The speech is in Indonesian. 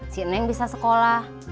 si neng bisa sekolah